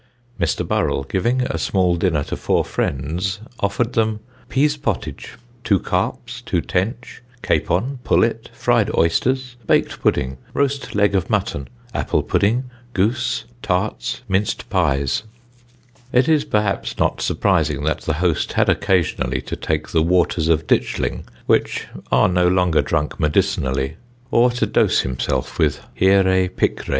Mr. Burrell giving a small dinner to four friends, offered them Pease pottage. 2 carps. 2 tench. Roast leg of mutton. Capon. Pullet. Apple pudding. Fried oysters. Goos. Baked pudding. Tarts. Minced pies. It is perhaps not surprising that the host had occasionally to take the waters of Ditchling, which are no longer drunk medicinally, or to dose himself with hieræ picræ.